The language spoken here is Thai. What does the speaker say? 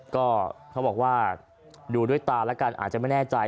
ก็เขาบอกว่าดูด้วยตาแล้วกันอาจจะไม่แน่ใจ